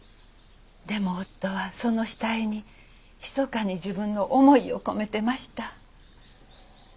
でも夫はその下絵にひそかに自分の思いを込めてました。